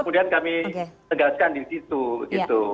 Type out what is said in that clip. kemudian kami tegaskan di situ gitu